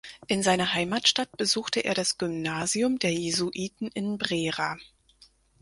In seiner Heimatstadt besuchte er das Gymnasium der Jesuiten in Brera.